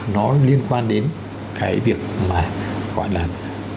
nó liên quan đến cái việc mà họ làm